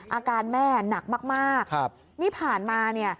อาการแม่หนักมากนี่ผ่านมาเนี่ย